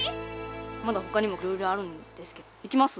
まだほかにもいろいろあるんですけど行きます？